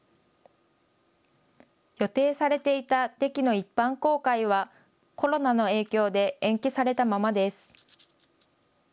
予定されていたデキの一般公開はコロナの影響で延期されたままです。